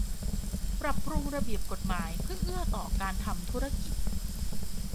ปรับปรุงระเบียบกฎหมายเพื่อเอื้อต่อการทำธุรกิจ